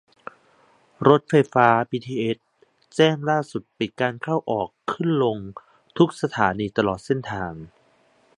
รถไฟฟ้าบีทีเอส แจ้งล่าสุดปิดการเข้า-ออก ขึ้นลงทุกสถานีตลอดเส้นทาง